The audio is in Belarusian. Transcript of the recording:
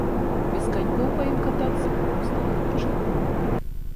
Без канькоў па ім катацца проста немагчыма.